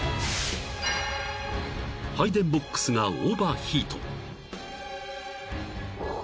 ［配電ボックスがオーバーヒート］